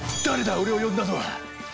俺を呼んだのは。